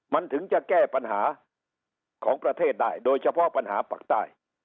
มันถึงจะแก้ปัญหาของประเทศได้โดยเฉพาะปัญหาปากใต้